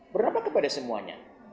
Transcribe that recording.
berapa kepada semuanya